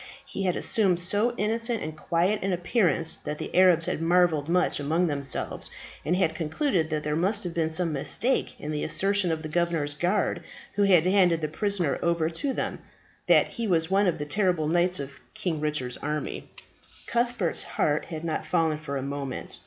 He had assumed so innocent and quiet an appearance that the Arabs had marvelled much among themselves, and had concluded that there must have been some mistake in the assertion of the governor's guard who had handed the prisoner over to them, that he was one of the terrible knights of King Richard's army. Cuthbert's heart had not fallen for a moment.